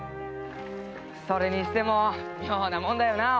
それにしても妙なもんだよなあ。